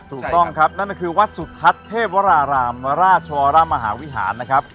ถูกต้องครับนั่นก็คือวัดสุทัศน์เทพวรารามราชวรมหาวิหารนะครับ